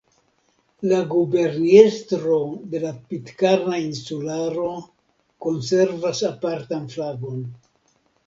La Guberniestro de la Pitkarna Insularo konservas apartan flagon.